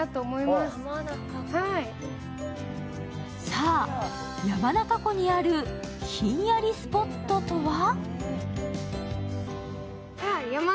さあ、山中湖にあるひんやりスポットとは？